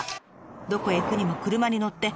どこへ行くにも車に乗って。